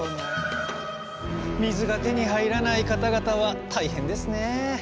水が手に入らない方々は大変ですね。